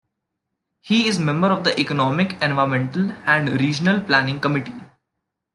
He is member of the Economic, Environmental and Regional Planning Committee.